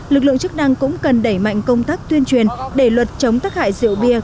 lực lượng chức năng cũng cần đẩy mạnh công tác tuyên truyền để luật chống tắc hại rượu bia